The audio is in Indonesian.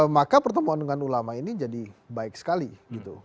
maka pertemuan dengan ulama ini jadi baik sekali gitu